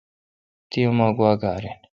تی اومہ گوا کار این۔